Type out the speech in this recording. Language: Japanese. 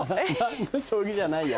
将棋じゃないや。